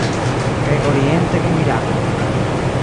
Kaj oriente kun Irako.